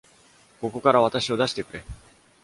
ここから私を出してくれ！